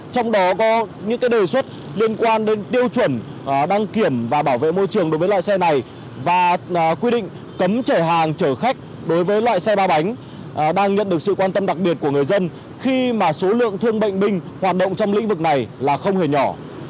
trong đó có những đề xuất liên quan đến tiêu chuẩn đăng kiểm và bảo vệ môi trường đối với loại xe này và quy định cấm chở hàng chở khách đối với loại xe ba bánh đang nhận được sự quan tâm đặc biệt của người dân khi mà số lượng thương bệnh binh hoạt động trong lĩnh vực này là không hề nhỏ